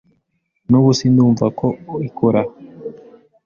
Nubu sindumva uko ikora